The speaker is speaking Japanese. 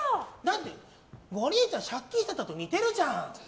ゴリエちゃん借金していたと似ているじゃん。